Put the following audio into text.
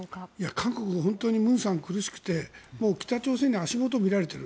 韓国は本当に文さん、苦しくて北朝鮮に足元を見られている。